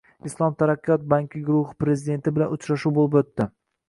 Islom taraqqiyot banki Guruhi Prezidenti bilan uchrashuv bo‘lib o‘tdi